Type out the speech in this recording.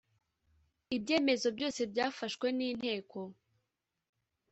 ibyemezo byose byafashwe n inteko